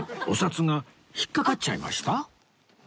お札が引っかかっちゃいました？